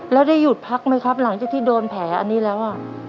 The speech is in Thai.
แล้วได้หยุดพักไหมครับหลังจากที่โดนแผลอันนี้แล้ว